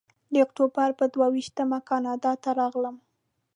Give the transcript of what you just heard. د اکتوبر پر دوه ویشتمه کاناډا ته راغلم.